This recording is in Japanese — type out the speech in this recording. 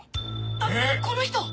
えっ⁉あっこの人！